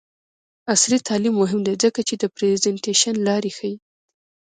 عصري تعلیم مهم دی ځکه چې د پریزنټیشن لارې ښيي.